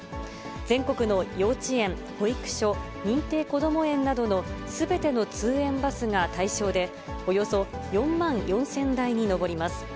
全国の幼稚園、保育所、認定こども園などのすべての通園バスが対象で、およそ４万４０００台に上ります。